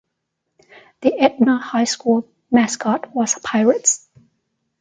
The Edna High School mascot was Pirates.